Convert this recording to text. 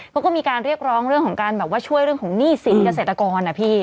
เขาก็มีการเรียกร้องเรื่องของการแบบว่าช่วยเรื่องของหนี้สินเกษตรกรนะพี่